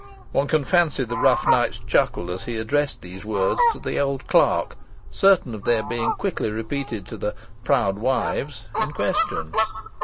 One can fancy the rough knight's chuckle, as he addressed these words to the old clerk, certain of their being quickly repeated to the "proud wives" in question.